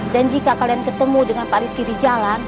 dan jika kalian ketemu dengan pak rizky di jalan